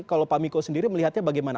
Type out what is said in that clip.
kalau pak miko sendiri melihatnya bagaimana